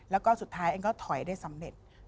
แล้วก็สุดท้ายเองก็ถอยได้สำเร็จ